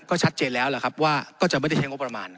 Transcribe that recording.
ก็ชัดเจนแล้วล่ะครับว่าก็จะไม่ได้ใช้งบประมาณ